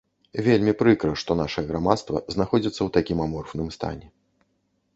Вельмі прыкра, што нашае грамадства знаходзіцца ў такім аморфным стане.